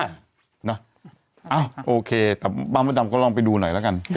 เอ้าโอเคแต่บ้านมดดำก็ลองไปดูหน่อยแล้วกัน